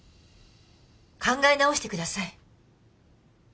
考え直してください。